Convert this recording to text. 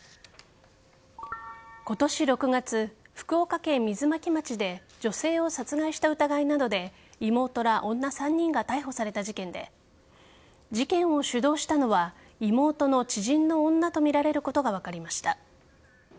今年６月、福岡県水巻町で女性を殺害した疑いなどで妹ら女３人が逮捕された事件で事件を主導したのは妹の知人の女と見られることが分かりました。